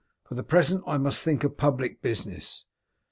For the present I must think of public business.